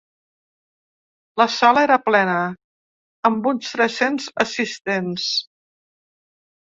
La sala era plena, amb uns tres-cents assistents.